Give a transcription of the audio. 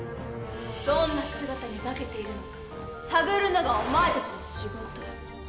どんな姿に化けているのか探るのがお前たちの仕事。